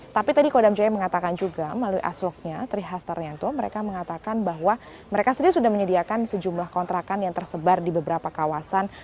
tapi tadi kodam jaya mengatakan juga melalui asloknya trihastar yanto mereka mengatakan bahwa mereka sendiri sudah menyediakan sejumlah kontrakan yang tersebar di beberapa kawasan